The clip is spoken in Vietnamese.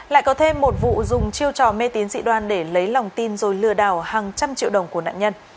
lại có thêm một vụ dùng chiêu trò mê tín dị đoan để lấy lòng tin rồi lừa đảo hàng trăm triệu đồng của nạn nhân